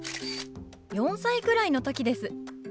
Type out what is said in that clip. ４歳くらいの時です。